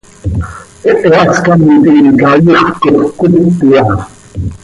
Hehe hascám tintica iixöt cop cöquit iha.